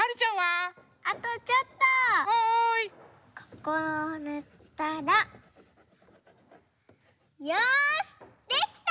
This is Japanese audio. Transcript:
ここをぬったらよしできた！